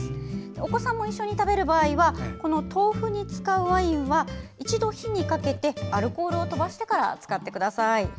お子さんも一緒に食べる場合は豆腐に使うワインは一度火にかけてアルコールを飛ばしてから使ってください。